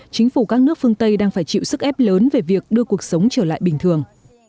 chính phủ các nước phương tây đang phải chịu sức ép lớn về việc đưa cuộc sống trở lại bình thường